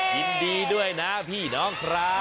ยินดีด้วยนะพี่น้องครับ